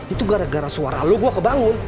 itu gara gara suara lo gue kebangun